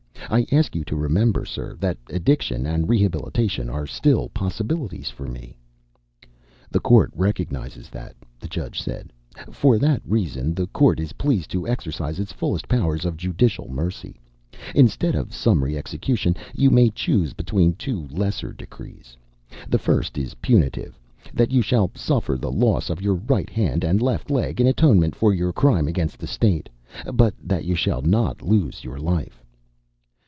I ask you to remember, sir, that addiction and rehabilitation are still possible for me." "The court recognizes that," the judge said. "For that reason, the court is pleased to exercise its fullest powers of judicial mercy. Instead of summary execution, you may choose between two lesser decrees. The first is punitive; that you shall suffer the loss of your right hand and left leg in atonement for your crime against the State; but that you shall not lose your life."